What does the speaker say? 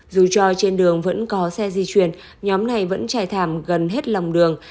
dù cho trên đường vẫn có xe di chuyển nhóm này vẫn trải thảm gần hết lòng đường